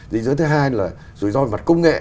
rủi ro thứ hai là rủi ro về mặt công nghệ